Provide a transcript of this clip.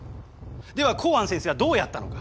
では幸庵先生はどうやったのか？